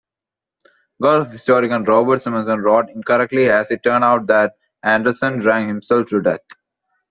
Golf historian Robert Sommers wrote-incorrectly as it turned out-that Anderson 'drank himself to death'.